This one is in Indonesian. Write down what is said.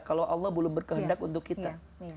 kalau allah belum berkehendak untuk kita